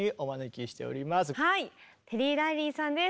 テリー・ライリーさんです。